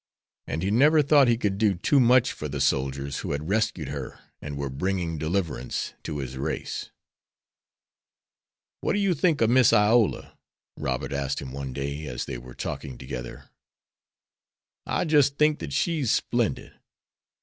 And he never thought he could do too much for the soldiers who had rescued her and were bringing deliverance to his race. "What do you think of Miss Iola?" Robert asked him one day, as they were talking together. "I jis' think dat she's splendid.